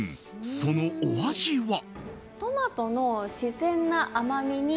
そのお味は。